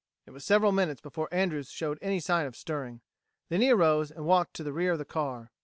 It was several minutes before Andrews showed any signs of stirring. Then he arose and walked to the rear of the car.